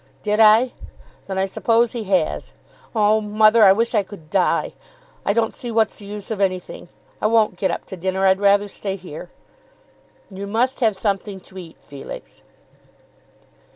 "Did I? Then I suppose he has. Oh, mother, I wish I could die. I don't see what's the use of anything. I won't get up to dinner. I'd rather stay here." "You must have something to eat, Felix."